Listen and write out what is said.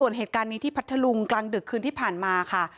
ส่วนเหตุการณ์นี้ที่พัทธลุงกลางดึกคืนที่ผ่านมาค่ะ